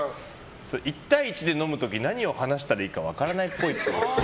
１対１で飲む時何を話したら分からないっぽい。